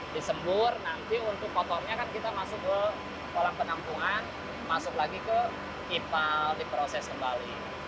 disembur nanti untuk kotornya kan kita masuk ke kolam penampungan masuk lagi ke kipal diproses kembali